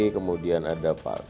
kemudian ada pak waka polri